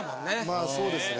まあそうですね。